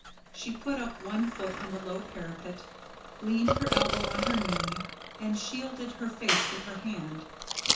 She put up one foot on the low parapet, leaned her elbow on her knee, and shielded her face with her hand.